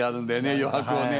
余白をね。